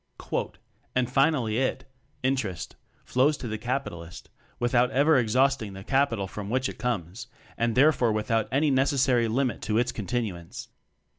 "And finally it (interest) flows to the capitalist without ever exhausting the capital from which it comes, and therefore without any necessary limit to its continuance.